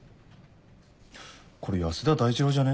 これ安田大二郎じゃね？